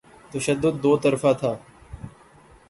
تشدد دوطرفہ تھا۔